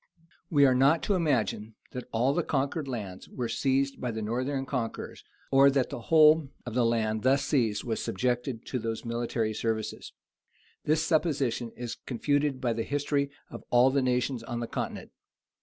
We are not to imagine, that all the conquered lands were seized by the northern conquerors, or that the whole of the land thus seized was subjected to those military services. This supposition is confuted by the history of all the nations on the continent.